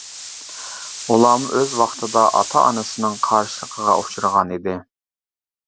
ئۇلارمۇ ئۆز ۋاقتىدا ئاتا ئانىسىنىڭ قارشىلىقىغا ئۇچرىغان ئىدى.